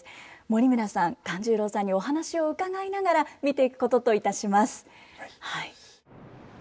森村さん勘十郎さんにお話を伺いながら見ていくことといたします。